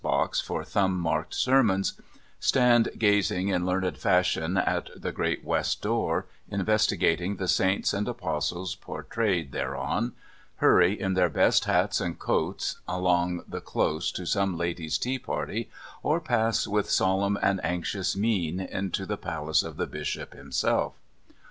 box for thumb marked sermons; stand gazing in learned fashion at the great West Door, investigating the saints and apostles portrayed thereon; hurry in their best hats and coats along the Close to some ladies' tea party, or pass with solemn and anxious mien into the palace of the Bishop himself.